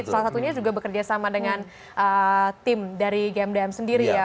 salah satunya juga bekerja sama dengan tim dari gmdm sendiri ya